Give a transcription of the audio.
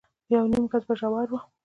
يونيم ګز به ژور و.